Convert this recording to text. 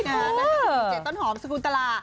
น่าจะคือเจ๊ต้นหอมสกุลตลา